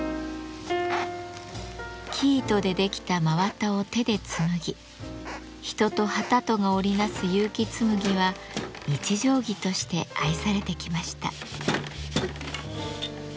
生糸で出来た真綿を手で紡ぎ人と機とが織り成す結城紬は日常着として愛されてきました。